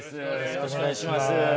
よろしくお願いします。